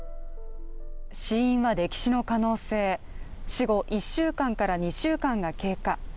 死因は溺死の可能性、死後１週間から２週間が経過。